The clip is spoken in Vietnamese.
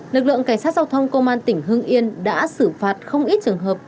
lực lượng cảnh sát giao thông công an tỉnh hưng yên đã xử phạt không ít trường hợp